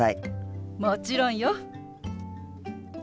もちろんよ。